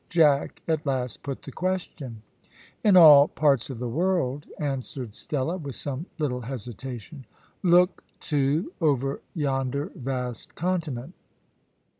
Jack at last put the question. "In all parts of the world," answered Stella, with some little hesitation. "Look, too, over yonder vast continent."